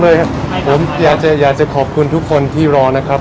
ครับผมอยากจะอยากจะขอบคุณทุกคนที่รอนะครับ